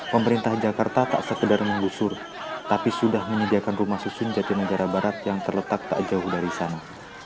pemerintah jakarta tak sekedar menggusur tapi sudah menyediakan rumah susun jatinegara barat yang terletak tak jauh dari sana